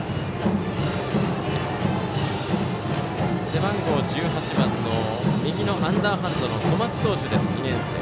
背番号１８番の右のアンダーハンドの小松投手です、２年生。